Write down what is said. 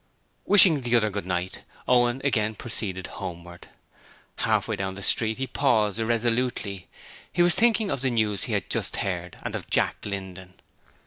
Wishing the other 'Good night', Owen again proceeded homewards. Half way down the street he paused irresolutely: he was thinking of the news he had just heard and of Jack Linden.